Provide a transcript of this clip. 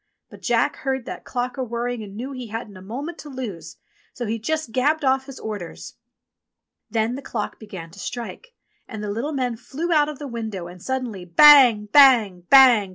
But Jack heard that clock a whirring and knew he hadn't a moment to lose, so he just gabbled off his orders. Then the clock began to strike, and the little men flew out of the window and suddenly "Bang! bang! bang! bang!